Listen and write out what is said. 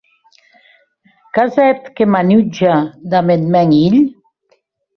Qu’as hèt que m’anutja damb eth mèn hilh.